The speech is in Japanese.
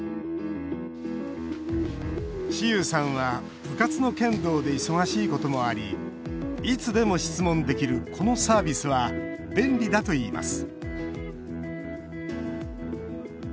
士悠さんは部活の剣道で忙しいこともありいつでも質問できるこのサービスは便利だといいます